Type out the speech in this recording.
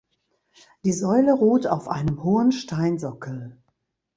Die Säule ruht auf einem hohen Steinsockel.